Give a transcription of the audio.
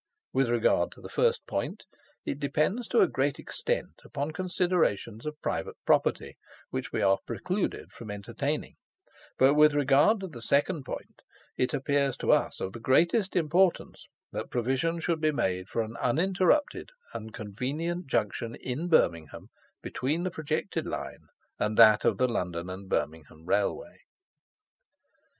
With regard to the first point, it depends to a great extent upon considerations of private property, which we are precluded from entertaining; but with regard to the second point, it appears to us of the greatest importance that provision should be made for an uninterrupted and convenient junction in Birmingham between the projected line and that of the London and Birmingham Railway.